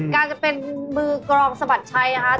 การจะเป็นมือกรองสะบัดชัยนะคะ